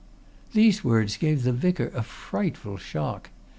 These words gave the vicar a frightful shock.